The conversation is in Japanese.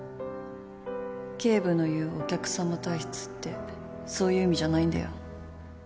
警部の言うお客さま体質ってそういう意味じゃないんだよ。